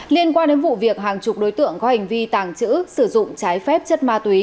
liên quan đến vụ việc hàng chục đối tượng có hành vi tàng trữ sử dụng trái phép chất ma túy